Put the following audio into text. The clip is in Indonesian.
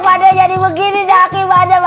pade jadi begini